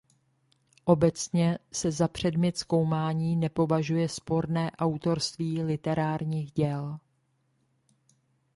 Obecně se za předmět zkoumání nepovažuje sporné autorství literárních děl.